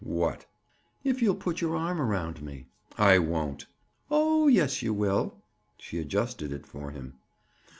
"What?" "If you'll put your arm around me." "I won't." "Oh, yes, you will." She adjusted it for him.